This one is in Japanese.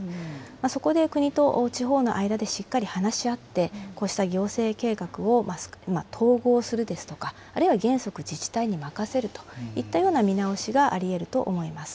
そこで国と地方の間でしっかり話し合って、こうした行政計画を統合するですとか、あるいは原則、自治体に任せるといったような見直しがありえると思います。